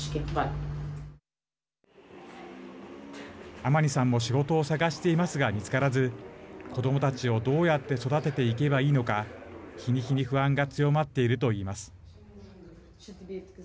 アマニさんも仕事を探していますが見つからず、子どもたちをどうやって育てていけばいいのか日に日に不安が強まっていると言います。